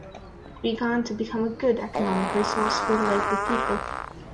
It began to become a good economic resource for the local people.